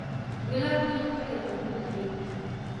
گلاب گل ښکلي رنگونه لري